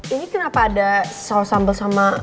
ini kenapa ada saus sambal sama